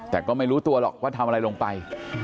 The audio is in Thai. แต่ก็ไม่รู้ตัวหรอกว่าทำอะไรลงไป